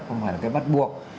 không phải là cái bắt buộc